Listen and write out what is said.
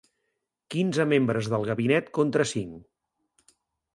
Quinze membres del gabinet contra cinc.